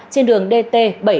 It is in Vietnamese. trên đường dt bảy trăm năm mươi ba